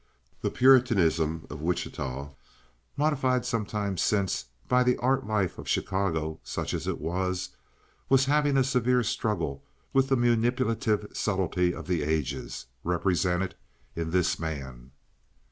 The puritanism of Wichita (modified sometime since by the art life of Chicago, such as it was) was having a severe struggle with the manipulative subtlety of the ages—represented in this man.